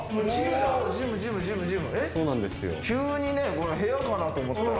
急にね、部屋かなと思ったら。